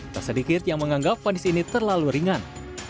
tak sedikit yang menganggap fonis ini terlalu ringan